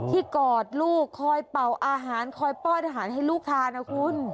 กอดลูกคอยเป่าอาหารคอยป้อนอาหารให้ลูกทานนะคุณ